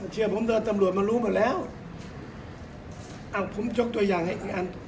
เชื่อผมเลยตำรวจมารู้หมดแล้วอ้าวผมยกตัวอย่างให้อีกอัน